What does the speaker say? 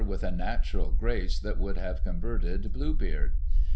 with a natural grace that would haAC converted Blue Beard.